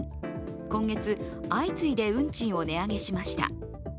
今月、相次いで運賃を値上げしました。